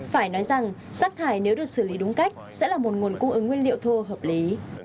phải nói rằng rác thải nếu được xử lý đúng cách sẽ là một nguồn cung ứng nguyên liệu thô hợp lý